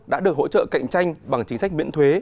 đã được hỗ trợ cạnh tranh bằng chính sách miễn thuế